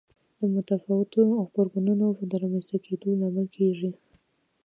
د متفاوتو غبرګونونو د رامنځته کېدو لامل کېږي.